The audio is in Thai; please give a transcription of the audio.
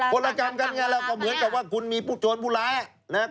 คนละกรรมกันไงแล้วก็เหมือนกับว่าคุณมีผู้โจรผู้ร้ายนะครับ